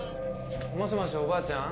もしもしおばあちゃん？